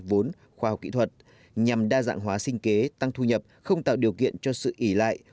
vốn khoa học kỹ thuật nhằm đa dạng hóa sinh kế tăng thu nhập không tạo điều kiện cho sự ỉ lại